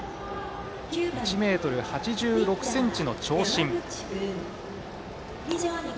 １ｍ８６ｃｍの長身。